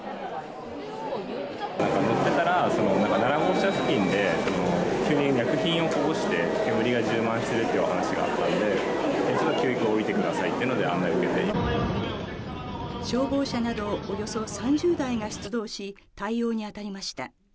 なんか乗ってたら、７号車付近で、急に薬品をこぼして、煙が充満しているというお話があったので、急きょ降りてください消防車などおよそ３０台が出動し、対応に当たりました。